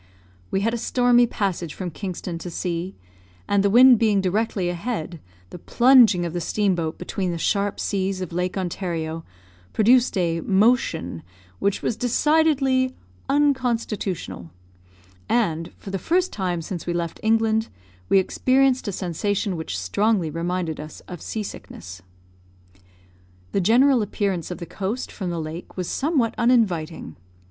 We had a stormy passage from Kingston to C , and the wind being directly ahead, the plunging of the steam boat between the sharp seas of Lake Ontario produced a "motion" which was decidedly "unconstitutional;" and, for the first time since we left England, we experienced a sensation which strongly reminded us of sea sickness. The general appearance of the coast from the lake was somewhat uninviting.